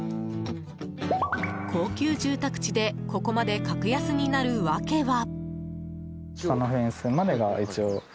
高級住宅地でここまで格安になるワケは？